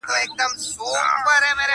غلیمان به یې تباه او نیمه خوا سي!